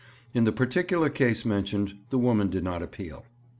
In the particular case mentioned the woman did not appeal.